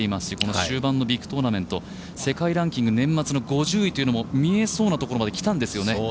終盤のビッグトーナメント世界ランキング、年末の５０位が見えそうなところまで来たんですよね。